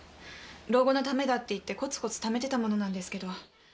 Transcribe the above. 老後のためだって言ってコツコツ貯めてたものなんですけど。